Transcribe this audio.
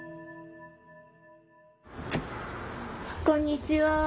こんにちは。